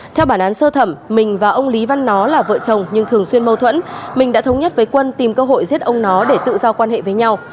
theo bản án sơ thẩm mình và ông lý văn nó là vợ chồng nhưng thường xuyên mâu thuẫn mình đã thống nhất với quân tìm cơ hội giết ông nó để tự do quan hệ với nhau